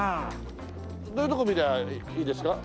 どういうとこ見ればいいですか？